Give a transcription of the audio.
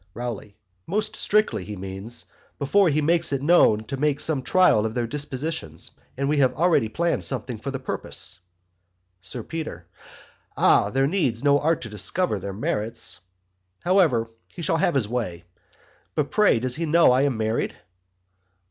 ROWLEY. Most strictly He means, before He makes it known to make some trial of their Dispositions and we have already planned something for the purpose. SIR PETER. Ah there needs no art to discover their merits however he shall have his way but pray does he know I am married!